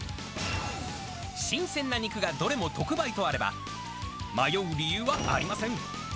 新鮮な肉がどれも特売とあれば、迷う理由はありません。